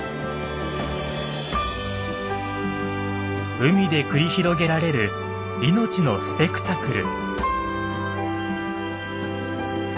海で繰り広げられる命のスペクタクル。